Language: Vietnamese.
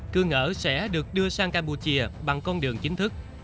cư ngỡ sẽ được đưa sang campuchia bằng con đường chính thức